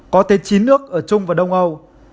có tới chín nước ở trung và đông âu